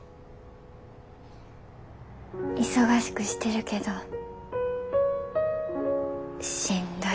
忙しくしてるけどしんどいと思う。